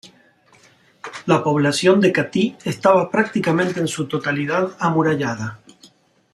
La población de Catí, estaba prácticamente en su totalidad amurallada.